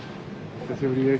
お久しぶりです。